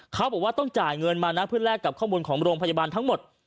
เขาบอกว่าต้องจ่ายเงินมานะเพื่อแลกกับข้อมูลของโรงพยาบาลทั้งหมด